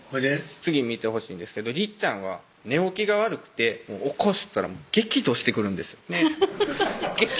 次見てほしいんですけどりっちゃんは寝起きが悪くて起こしたら激怒してくるんですフフフフッ